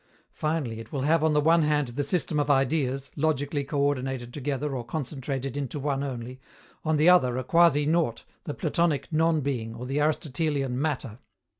Finally, it will have on the one hand the system of ideas, logically coördinated together or concentrated into one only, on the other a quasi nought, the Platonic "non being" or the Aristotelian "matter."